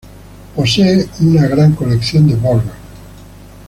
El posee una gran colección de Burger.